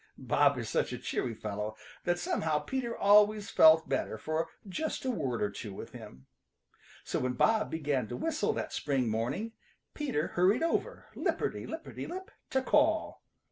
Bob is such a cheery fellow that somehow Peter always felt better for just a word or two with him. So when Bob began to whistle that spring morning Peter hurried over, lipperty lipperty lip, to call.